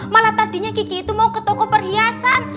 malah tadinya kiki itu mau ke toko perhiasan